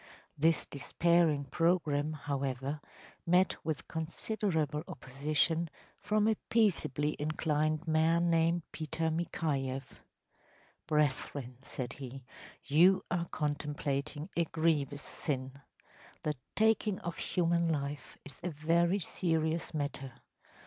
‚ÄĚ This despairing programme, however, met with considerable opposition from a peaceably inclined man named Peter Mikhayeff. ‚ÄúBrethren,‚ÄĚ said he, “you are contemplating a grievous sin. The taking of human life is a very serious matter.